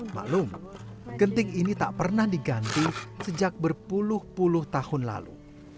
maklum genting ini tak pernah diganti sejak berpuluh puluh tahun lalu